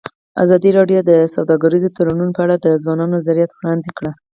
ازادي راډیو د سوداګریز تړونونه په اړه د ځوانانو نظریات وړاندې کړي.